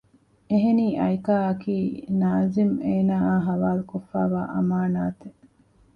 އެހެނީ އައިކާއަކީ ނާޒިމް އޭނާއާ ހަވާލުކޮށްފައިވާ އަމާނާތެއް